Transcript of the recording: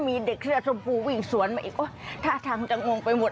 มีเด็กเสื้อชมพูวิ่งสวนมาอีกท่าทางจะงงไปหมด